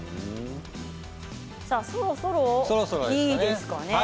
そろそろいいですかね。